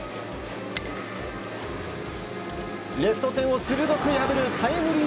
レフト線を鋭く破るタイムリー